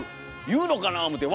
言うのかな思て。